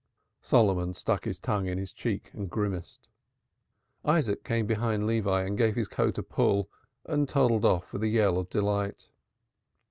Solomon stuck his tongue in his cheek and grimaced. Isaac came behind Levi and gave his coat a pull and toddled off with a yell of delight.